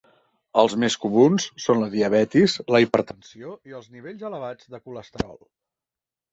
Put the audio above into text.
Els més comuns són la diabetis, la hipertensió i els nivells elevats de colesterol.